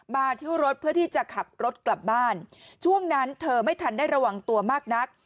มาที่รถเพื่อที่จะขับรถกลับบ้านช่วงนั้นเธอไม่ทันได้ระวังตัวมากนัก